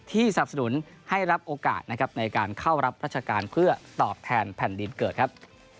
สนับสนุนให้รับโอกาสนะครับในการเข้ารับราชการเพื่อตอบแทนแผ่นดินเกิดครับ